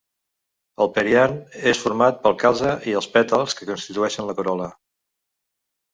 El periant és format pel calze i els pètals que constitueixen la corol·la.